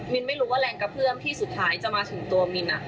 ไม่รู้ว่าแรงกระเพื่อมที่สุดท้ายจะมาถึงตัวมิน